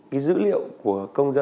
cái dữ liệu của các doanh nghiệp